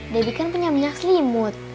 debbie kan punya minyak selimut